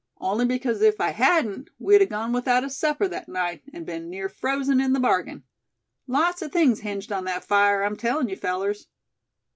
Only because if I hadn't, we'd a gone without a supper that night, and been near frozen in the bargain. Lots of things hinged on that fire, I'm telling you, fellers."